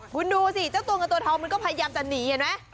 คุณดูสิเจ้าตัวเงินตัวทองมันก็พยายามจะหนีเห็นไหม